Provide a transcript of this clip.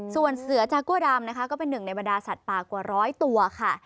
ส่วนเสือจากั่วดำนะคะก็เป็นหนึ่งในบรรดาสัตว์ป่ากว่าร้อยตัวค่ะ